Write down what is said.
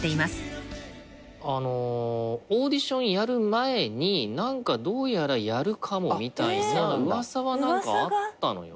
あのオーディションやる前に何かどうやらやるかもみたいな噂は何かあったのよ。